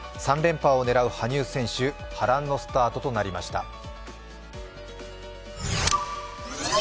３連覇を狙う羽生選手、波乱のスタートとなりました。